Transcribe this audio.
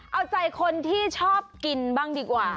เอาใจคนที่ชอบกินบ้างดีกว่า